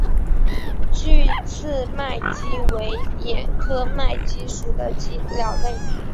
距翅麦鸡为鸻科麦鸡属的鸟类。